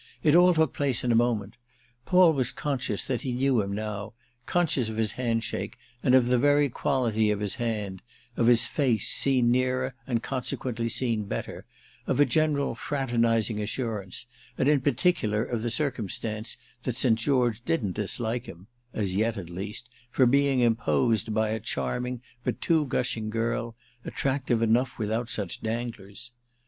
It all took place in a moment. Paul was conscious that he knew him now, conscious of his handshake and of the very quality of his hand; of his face, seen nearer and consequently seen better, of a general fraternising assurance, and in particular of the circumstance that St. George didn't dislike him (as yet at least) for being imposed by a charming but too gushing girl, attractive enough without such danglers.